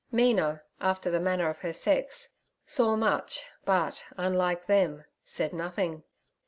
Mina, after the manner of her sex, saw much, but, unlike them, said nothing.